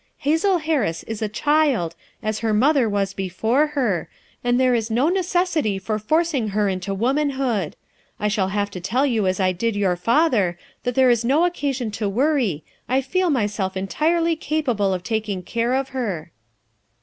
Hazel Harris is a child, as ber mother was before her, and there is no neces sity for forcing her into womanhood. I shall have to tell you as I did your father that there is no occasion for worry, I feel myself entirely capable of taking care of her.